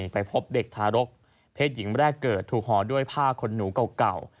ไปพบเด็กทารกเพศหญิงแรกเกิดถูกห่อด้วยผ้าขนหนูเก่า